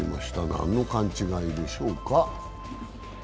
どんな勘違いでしょうか。